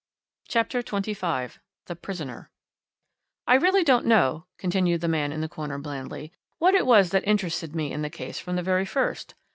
'" CHAPTER XXV THE PRISONER "I really don't know," continued the man in the corner blandly, "what it was that interested me in the case from the very first.